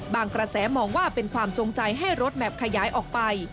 กระแสมองว่าเป็นความจงใจให้รถแมพขยายออกไป